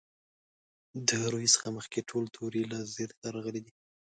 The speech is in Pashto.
د روي څخه مخکې ټول توري له زېر سره راغلي.